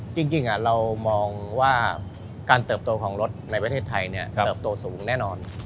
จริงเรามองว่าการเติบโตของรถในประเทศไทยเติบโตสูงแน่นอน